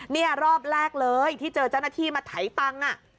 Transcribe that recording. นี่รอบแรกเลยที่เจอเจ้าหน้าที่มาไถตังค์